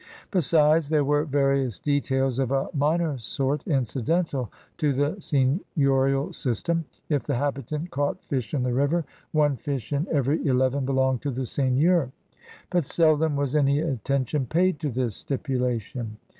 Besides, there were various details of a minor sort incidental to the seigneiuial system. If the habitant caught fish in the river, one fish in every eleven belonged to the seigneur. But seldom was any attention paid to this stipulation.